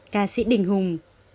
ca sĩ đình hùng